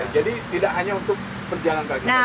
jadi tidak hanya untuk penjalan kakinya